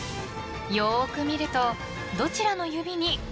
［よく見るとどちらの指に何の文字が？］